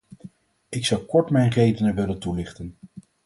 Ik zou kort mijn redenen willen toelichten.